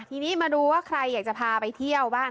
ทีนี้มาดูว่าใครอยากจะพาไปเที่ยวบ้าง